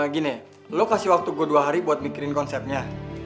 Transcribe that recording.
gini lo kasih waktu gue dua hari buat mikirin konsepnya